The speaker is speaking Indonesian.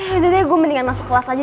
ya udah deh gue mendingan masuk kelas aja